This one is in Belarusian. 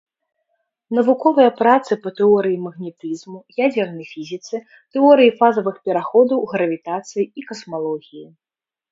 Навуковыя працы па тэорыі магнетызму, ядзернай фізіцы, тэорыі фазавых пераходаў, гравітацыі і касмалогіі.